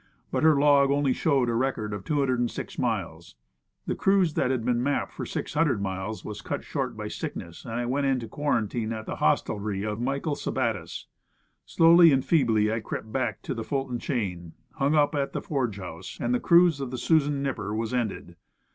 But her log only showed a record of 206 miles. The cruise that had been mapped for 600 miles was cut short by sickness, and I went into quarantine at the hostelry of Mitchell Sabattis. Slowly and feebly I crept back to the Ful ton Chain, hung up at the Forge House, and the cruise of the Susan Nipper was ended.